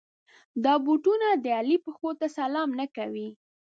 دا بوټونه د علي پښو ته سلام نه کوي.